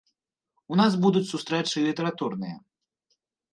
У нас будуць сустрэчы літаратурныя.